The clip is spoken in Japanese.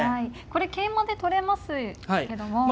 これ桂馬で取れますけども。